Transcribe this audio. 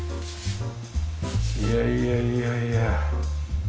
いやいやいやいや。